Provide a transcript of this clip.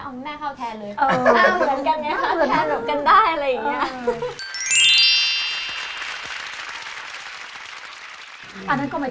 เอาหน้าข้าวแคร์เลย